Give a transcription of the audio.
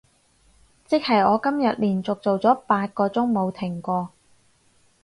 即係我今日連續做咗八個鐘冇停過